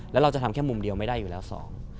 แล้วเราจะทำแค่มุมเดียวไม่ได้อยู่แล้วสอง